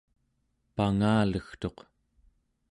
pangalegtuq